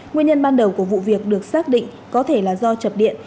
nguyên nhân ban đầu của vụ việc được xác định có thể là do chập điện